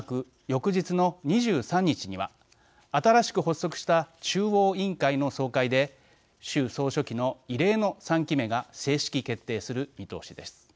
翌日の２３日には新しく発足した中央委員会の総会で習総書記の異例の３期目が正式決定する見通しです。